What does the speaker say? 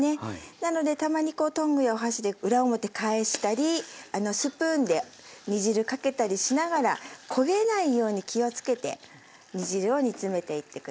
なのでたまにこうトングやお箸で裏表返したりスプーンで煮汁かけたりしながら焦げないように気を付けて煮汁を煮詰めていって下さい。